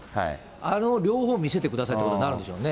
あの両方を見せてくださいということになるんでしょうね。